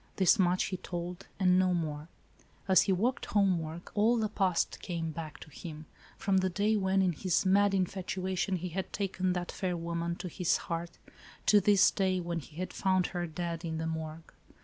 This much he told, and no more. As he talked homeward, all the past came back to him, from the day when, in his mad in fatuation he had taken that fair woman to his heart, to this day, when he had found her, dead, in the morgue.